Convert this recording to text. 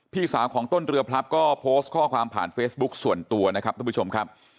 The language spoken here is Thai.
พี่สาวของต้นเรือพลับก็โพสต์ข้อความผ่านเฟซบุ๊คส่วนตัวนะครับทุกผู้ชมครับ